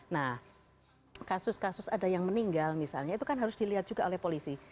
nah kasus kasus ada yang meninggal misalnya itu kan harus dilihat juga oleh polisi